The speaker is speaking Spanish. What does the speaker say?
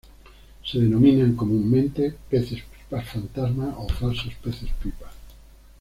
Se denominan comúnmente peces pipa fantasma o falsos peces pipa.